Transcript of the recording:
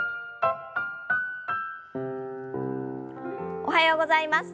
おはようございます。